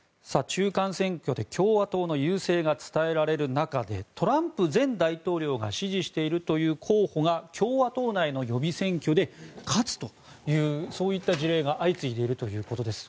中間選挙で共和党の優勢が伝えられる中でトランプ前大統領が支持しているという候補が共和党内の予備選挙で勝つというそういった事例が相次いでいるということです。